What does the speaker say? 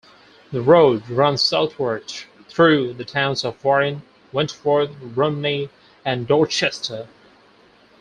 The road runs southward through the towns of Warren, Wentworth, Rumney, and Dorchester.